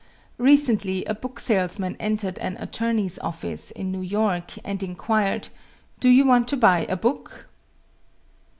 Recently a book salesman entered an attorney's office in New York and inquired: "Do you want to buy a book?"